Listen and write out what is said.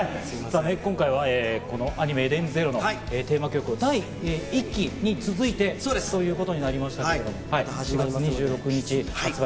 今回はアニメ『ＥＤＥＮＳＺＥＲＯ』のテーマ曲、第１期に続いてということになりましたけど、４月２６日発売。